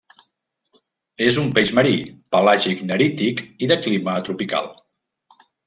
És un peix marí, pelàgic-nerític i de clima tropical.